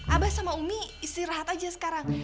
abah sama umi istirahat aja sekarang